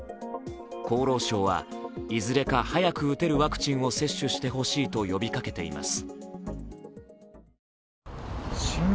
厚労省はいずれか早く打てるワクチンを接種してほしいと呼びかけています。